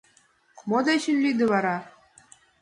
— Мо дечын лӱдӧ вара?